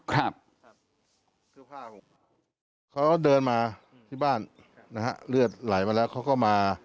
เขาเดินมาที่บ้านเลือดไหลมาแล้วเขาก็มา